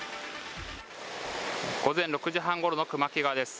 午前６時半ごろの熊木川です。